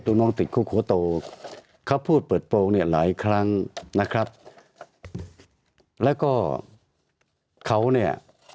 น้องติดคุกหัวโตเขาพูดเปิดโปรงเนี่ยหลายครั้งนะครับแล้วก็เขาเนี่ย